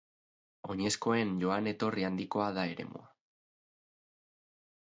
Oinezkoen joan-etorri handikoa da eremua.